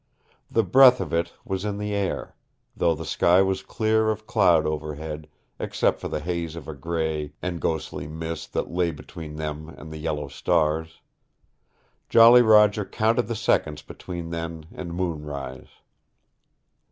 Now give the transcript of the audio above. The breath of it was in the air, though the sky was clear of cloud overhead, except for the haze of a gray and ghostly mist that lay between them and the yellow stars. Jolly Roger counted the seconds between then and moonrise.